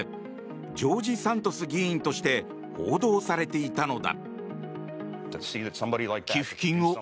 ジョージ・サントス議員として報道されていたのだ。